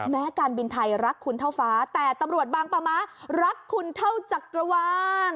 การบินไทยรักคุณเท่าฟ้าแต่ตำรวจบางปะมะรักคุณเท่าจักรวาล